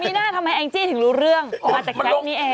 มิน่าทำให้เอ็งจิถึงรู้เรื่องมาจากแจ๊คนี้เอง